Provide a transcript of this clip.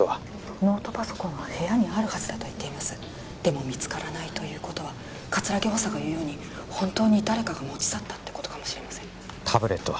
ノートパソコンは部屋にあるはずだと言っていますでも見つからないということは葛城補佐が言うように本当に誰かが持ち去ったってことかもしれませんタブレットは？